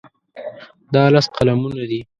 دا لس قلمونه دي.